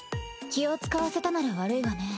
気を遣わせたなら悪いわね。